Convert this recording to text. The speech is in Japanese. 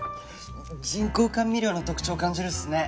人工甘味料の特徴を感じるっすね。